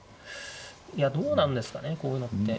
いやどうなんですかねこういうのって。